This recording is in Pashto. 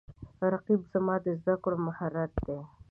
رقیب زما د زده کړو محرک دی